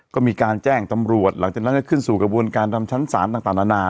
ก็มีการแจ้งตำรวจหลังจากนั้นก็ขึ้นสู่กระบวนการทำชั้นศาลต่างนานา